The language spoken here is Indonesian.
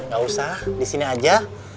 gak usah di sini aja